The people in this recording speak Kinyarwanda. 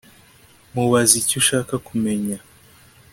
Mubaze icyo ushaka kumenya